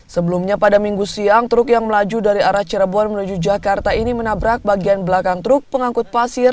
sebelumnya pada minggu siang truk yang melaju dari arah cirebon menuju jakarta ini menabrak bagian belakang truk pengangkut pasir